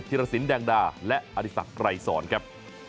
ธิรสินแดงดาและอธิสักรัยสอนครับ